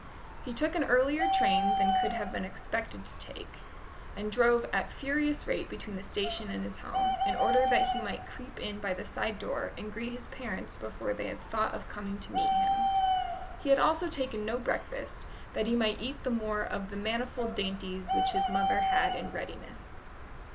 He took an earlier train than he could have been expected to take, and drove at furious rate between the station and his home, in order that he might creep in by the side door and greet his parents before they had thought of coming to meet him. He had also taken no breakfast, that he might eat the more of the manifold dainties which his mother had in readiness.